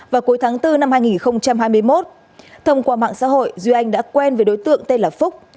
vào cuối tháng bốn năm hai nghìn hai mươi một thông qua mạng xã hội duy anh đã quen với đối tượng tên là phúc